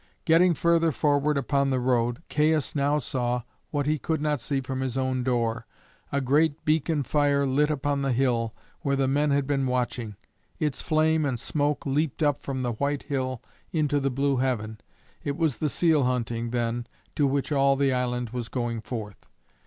Getting further forward upon the road, Caius now saw what he could not see from his own door, a great beacon fire lit upon the hill where the men had been watching. Its flame and smoke leaped up from the white hill into the blue heaven. It was the seal hunting, then, to which all the island was going forth.